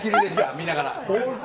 見ながら。